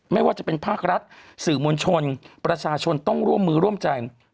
ไม่ว่าจะเป็นภาครัฐสื่อมวลชนประชาชนต้องร่วมมือร่วมใจ